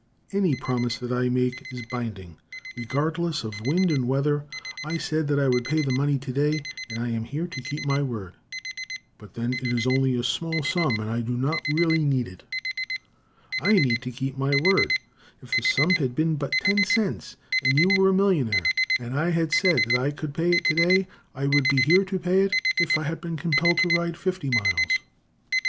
"Any promise that I make is binding, regardless of wind and weather. I said that I would pay the money today, and I am here to keep my word." "But, then, it is only a small sum, and I do not really need it." "I need to keep my word. If the sum had been but ten cents, and you were a millionaire, and I had said that I could pay it today, I would be here to pay it if I had been compelled to ride fifty miles."